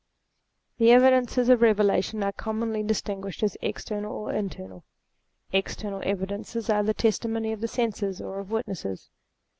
The evidences of Eevelation are commonly dis tinguished as external or internal. External evi dences are the testimony of the senses or of witnesses.